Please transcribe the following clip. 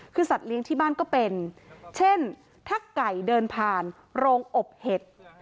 คือสัตว์เลี้ยงที่บ้านก็เป็นเช่นถ้าไก่เดินผ่านโรงอบเห็ด